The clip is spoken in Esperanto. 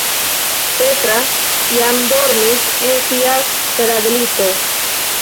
Petra jam dormis en sia kradlito.